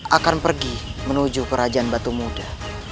akan pergi menuju kerajaan batu muda